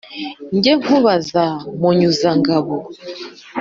njye kubaza munyuzangabo